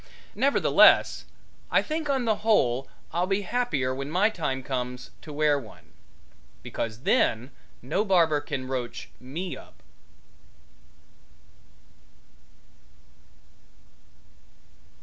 Nevertheless, I think on the whole I'll be happier when my time comes to wear one, because then no barber can roach me up.